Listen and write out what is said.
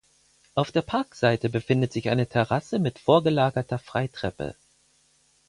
Auf der Parkseite befindet sich eine Terrasse mit vorgelagerter Freitreppe.